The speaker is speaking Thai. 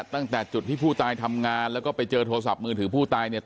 ตั้งแต่จุดที่ผู้ตายทำงานแล้วก็ไปเจอโทรศัพท์มือถือผู้ตายเนี่ย